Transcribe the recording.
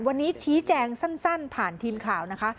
วันนี้ชี้แจงสั้นผ่านทีมข่าวนะคะ